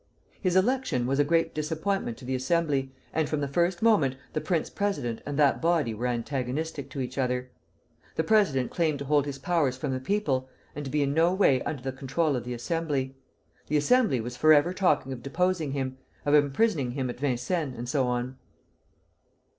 His election was a great disappointment to the Assembly, and from the first moment the prince president and that body were antagonistic to each other. The president claimed to hold his powers from the people, and to be in no way under the control of the Assembly; the Assembly was forever talking of deposing him, of imprisoning him at Vincennes, and so on.